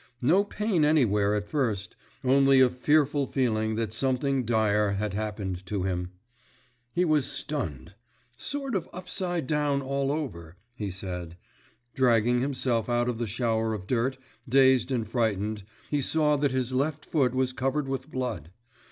No pain anywhere at first; only a fearful feeling that something dire had happened to him. He was stunned; "sort of upside down, all over," he said. Dragging himself out of the shower of dirt, dazed and frightened, he saw that his left foot was covered with blood.